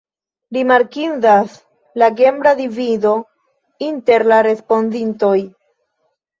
Rimarkindas la genra divido inter la respondintoj.